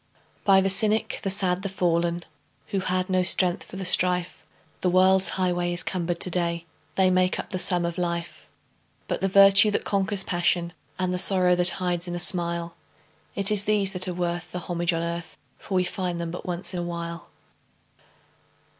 By the cynic, the sad, the fallen, Who had no strength for the strife, The world's highway is cumbered to day, They make up the sum of life. But the virtue that conquers passion, And the sorrow that hides in a smile, It is these that are worth the homage on earth For we find them but once in a while.